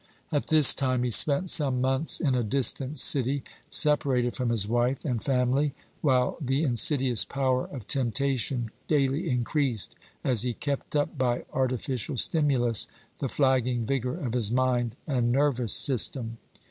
At this time he spent some months in a distant city, separated from his wife and family, while the insidious power of temptation daily increased, as he kept up, by artificial stimulus, the flagging vigor of his mind and nervous system.